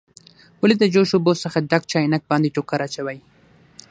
ولې د جوش اوبو څخه ډک چاینک باندې ټوکر اچوئ؟